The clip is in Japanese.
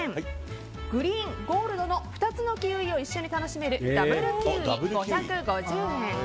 グリーン・ゴールドの２つのキウイを一緒に楽しめるＷキウイ、５５０円。